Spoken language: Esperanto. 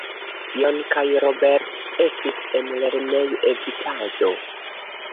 Jon kaj Robert estis en lernej-evitado.